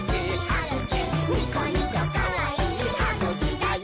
ニコニコかわいいはぐきだよ！」